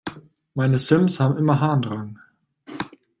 Meine Sims haben immer Harndrang.